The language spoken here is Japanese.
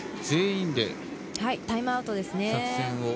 全員でタイムアウトですね。